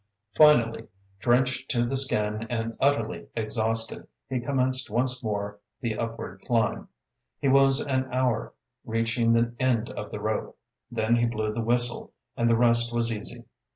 Finally, drenched to the skin and utterly exhausted, he commenced once more the upward climb. He was an hour reaching the end of the rope. Then he blew the whistle and the rest was easy.